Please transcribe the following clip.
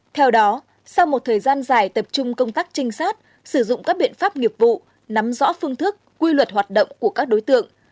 theo đó sau một thời gian dài tập trung công tác trinh sát sử dụng các biện pháp nghiệp vụ nắm rõ phương thức quy luật hoạt động của các đối tượng